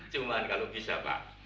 cuma kalau bisa pak